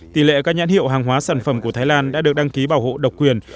tỷ lệ các nhãn hiệu hàng hóa sản phẩm của thái lan đã được đăng ký bảo hộ độc quyền